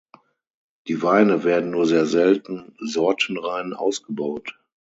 Die Weine werden nur sehr selten sortenrein ausgebaut.